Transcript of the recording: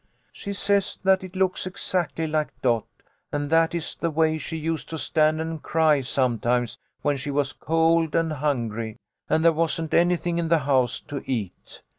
She says that it looks exactly like Dot, and that is the way she used to stand and cry sometimes when she was cold and hungry, and there wasn't anything in the house to eat.